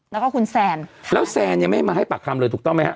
แล้วก็คุณแซนแล้วแซนยังไม่มาให้ปากคำเลยถูกต้องไหมฮะ